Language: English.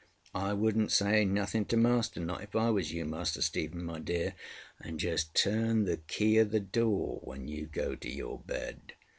I wouldnŌĆÖt say nothing to master, not if I was you, Master Stephen, my dear; and just turn the key of the door when you go to your bed.